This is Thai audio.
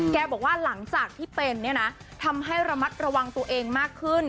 บอกว่าหลังจากที่เป็นเนี่ยนะทำให้ระมัดระวังตัวเองมากขึ้น